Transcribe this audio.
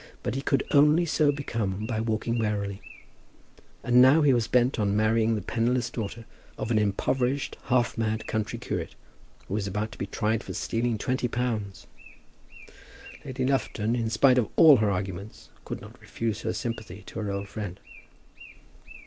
But he could only so become by walking warily; and now he was bent on marrying the penniless daughter of an impoverished half mad country curate, who was about to be tried for stealing twenty pounds! Lady Lufton, in spite of all her arguments, could not refuse her sympathy to her old friend.